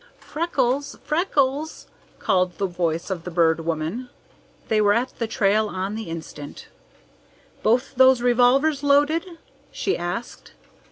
"Freckles! Freckles!" called the voice of the Bird Woman. They were at the trail on the instant. "Both those revolvers loaded?" she asked.